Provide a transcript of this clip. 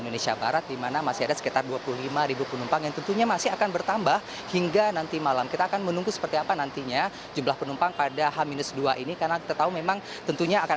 untuk dipergunakan dalam arus budi keberkatan kami